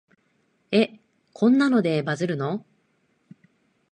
え、こんなのでバズるの？